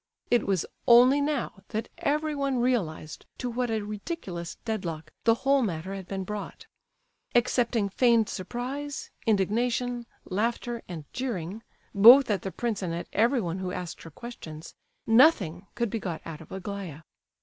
It was only now that everyone realized to what a ridiculous dead lock the whole matter had been brought. Excepting feigned surprise, indignation, laughter, and jeering—both at the prince and at everyone who asked her questions,—nothing could be got out of Aglaya.